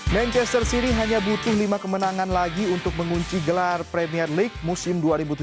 manchester city hanya butuh lima kemenangan lagi untuk mengunci gelar premier league musim dua ribu tujuh belas